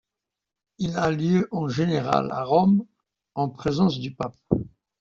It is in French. Il a lieu en général à Rome, en présence du pape.